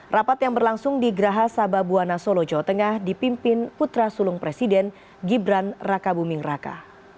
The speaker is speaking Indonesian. rapat yang berlangsung di geraha sababwana solo jawa tengah dipimpin putra sulung presiden gibran raka buming raka